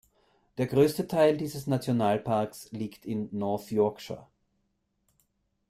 Der größte Teil dieses Nationalparks liegt in North Yorkshire.